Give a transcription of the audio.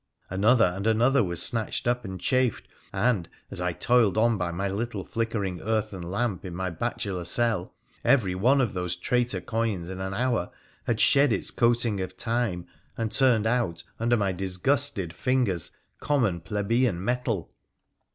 Anothei and another was snatched up and chafed, and, as I toiled on by my little flickering earthen lamp in my bachelor cell, every one of those traitor coins in an hour had shed its coating of time and turned out under my disgusted fingera PHRA THE PIICENICIAN 43 common plebeian metal.